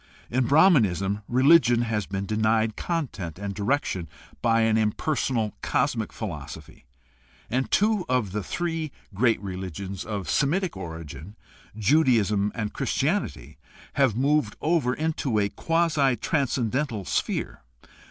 In Brahmanism religion has been denied content and direction by an impersonal cosmic philosophy, and two of the three great religions of Semitic origin — Judaism and Christianity— have moved over into a quasi transcen dental personal sphere.